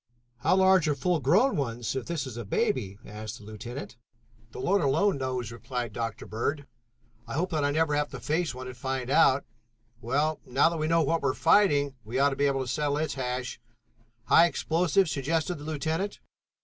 "How large are full grown ones if this is a baby?" asked the lieutenant. "The Lord alone knows," replied Dr. Bird. "I hope that I never have to face one and find out. Well, now that we know what we are fighting, we ought to be able to settle its hash." "High explosive?" suggested the lieutenant.